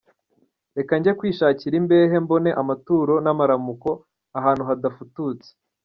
Reka njye kwishakira imbehe, mbone amaturo n’amaramuko ahantu hadafututse!